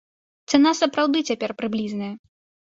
Цана сапраўды цяпер прыблізная.